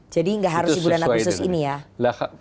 jadi nggak harus di bulan agustus ini ya